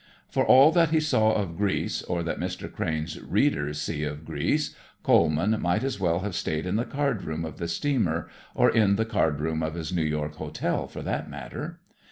For all that he saw of Greece or that Mr. Crane's readers see of Greece Coleman might as well have stayed in the card room of the steamer, or in the card room of his New York hotel for that matter.